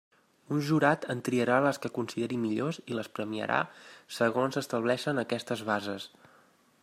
Un jurat en triarà les que consideri millors i les premiarà segons estableixen aquestes bases.